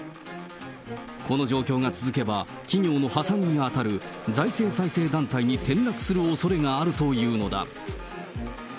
この状況が続けば、企業の破産に当たる財政再生団体に転落するおそれがあるというのだ。